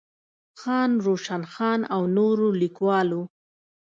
خان روشن خان او نورو ليکوالو